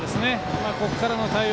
ここからの対応